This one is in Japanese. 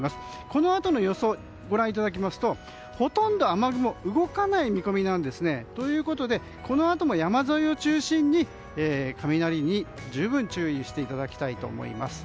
このあとの予想ご覧いただきますとほとんど雨雲が動かない見込みなんですね。ということで、このあとも山沿いを中心に雷に十分、注意していただきたいと思います。